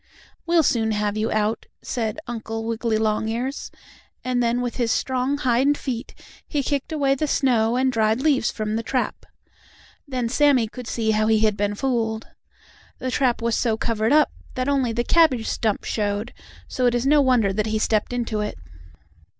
"We'll soon have you out," said Uncle Wiggily Longears, and then with his strong hind feet he kicked away the snow and dried leaves from the trap. Then Sammie could see how he had been fooled. The trap was so covered up that only the cabbage stump showed, so it is no wonder that he stepped into it.